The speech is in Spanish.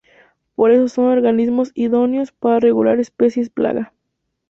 Por eso son organismos idóneos para regular especies plaga.